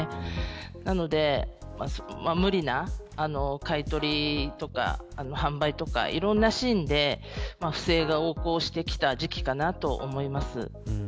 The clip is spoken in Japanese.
なので無理な買い取りとか販売とかいろいろなシーンで不正が横行してきた時期かなと思います。